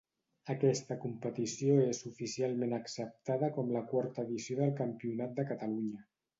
Aquesta competició és oficialment acceptada com la quarta edició del Campionat de Catalunya.